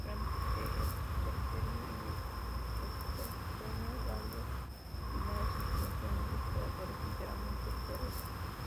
Durante el Terciario y el Pleistoceno varios linajes se convirtieron en depredadores enteramente terrestres.